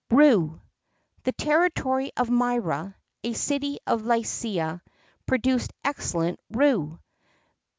RUE. The territory of Myra, a city of Lycia, produced excellent rue.